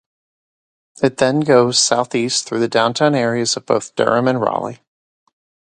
It then goes southeast through the downtown areas of both Durham and Raleigh.